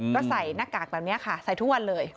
ก็ใส่หน้ากากแบบนี้ค่ะใส่ทุกวันเลย